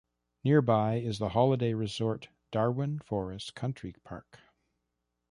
Nearby is the holiday resort Darwin Forest Country Park.